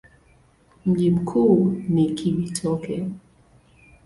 Mji mkuu ni Cibitoke.